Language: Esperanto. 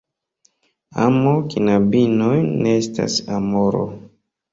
Amo, knabinoj, ne estas Amoro.